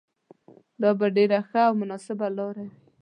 دا به ډېره ښه او مناسبه لاره وي.